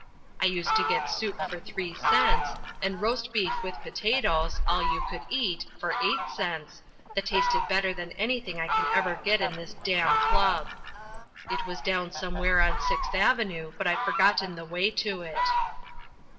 I used to get soup for three cents, and roast beef with potatoes, all you could eat, for eight cents, that tasted better than anything I can ever get in this damn club. It was down somewhere on Sixth Avenue, but I've forgotten the way to it.